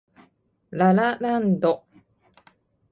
ラ・ラ・ランド